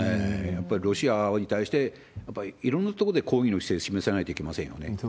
やっぱりロシアに対して、やっぱりいろんなところで抗議の姿勢を示さないといけませんよね。